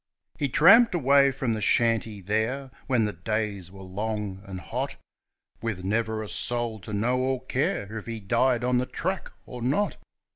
He tramped away from the shanty there, when the days were long and hot, With never a soul to know or care if he died on the track or not.